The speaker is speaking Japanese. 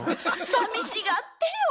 さみしがってよ！